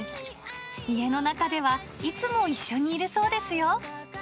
家の中では、いつも一緒にいるそうですよ。